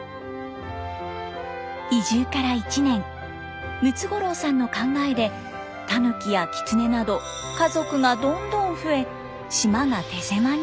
移住から１年ムツゴロウさんの考えでタヌキやキツネなど家族がどんどん増え島が手狭に。